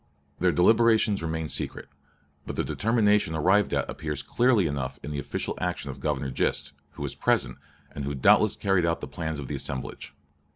Their deliberations remained secret, but the determination arrived at appears clearly enough in the official action of Governor Gist, who was present, and who doubtless carried out the plans of the assemblage.